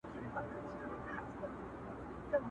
چي رمې به گرځېدلې د مالدارو!!